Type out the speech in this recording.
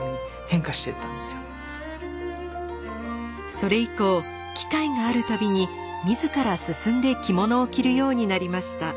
それ以降機会がある度に自ら進んで着物を着るようになりました。